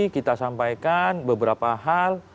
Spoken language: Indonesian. kita sampaikan beberapa hal